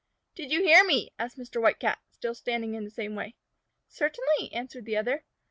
"Did you hear me?" asked Mr. White Cat, still standing in the same way. "Certainly," answered the other.